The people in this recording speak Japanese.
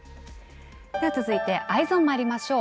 続いてＥｙｅｓｏｎ、まいりましょう。